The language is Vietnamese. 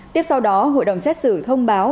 tiếp sau đó hội đồng xét xử thông báo